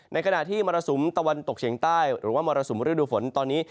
ในขณะที่มรสุมตะวันตกเฉียงใต้หรือว่ามรสุมฤดูฝนตอนนี้